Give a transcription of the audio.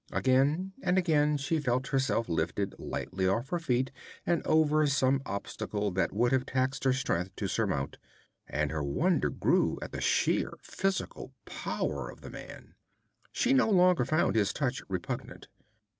Again and again she felt herself lifted lightly off her feet and over some obstacle that would have taxed her strength to surmount, and her wonder grew at the sheer physical power of the man. She no longer found his touch repugnant.